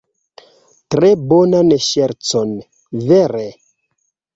Tre bonan ŝercon, vere.